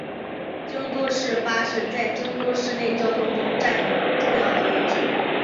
京都市巴士在京都市内交通中占有重要位置。